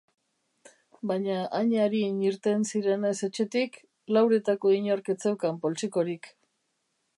Baina hain arin irten zirenez etxetik, lauretako inork ez zeukan poltsikorik.